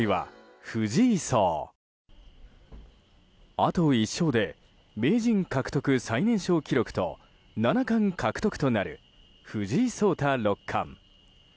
あと１勝で名人獲得最年少記録と七冠獲得となる藤井聡太六冠。